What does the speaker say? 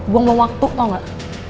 buang belum waktu tau gak